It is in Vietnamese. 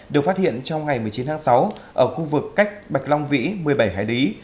được phát hiện trong ngày một mươi chín tháng sáu ở khu vực cách bạch long vĩ một mươi bảy hải lý